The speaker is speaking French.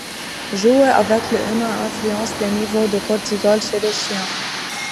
Jouer avec les humains influence les niveaux de cortisol chez le chien.